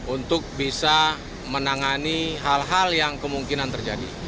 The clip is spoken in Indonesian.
untuk bisa menangani hal hal yang kemungkinan terjadi